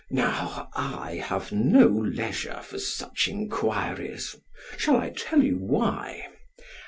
Now I have no leisure for such enquiries; shall I tell you why?